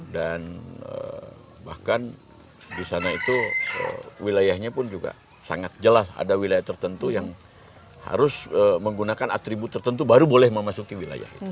dan bahkan di sana itu wilayahnya pun juga sangat jelas ada wilayah tertentu yang harus menggunakan atribut tertentu baru boleh memanfaatkan